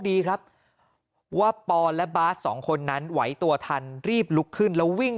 ดีครับว่าปอนและบาสสองคนนั้นไหวตัวทันรีบลุกขึ้นแล้ววิ่ง